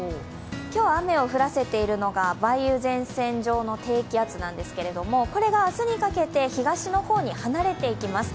今日、雨を降らせているのが梅雨前線上の低気圧なんですけれどもこれが明日にかけて東の方に離れていきます。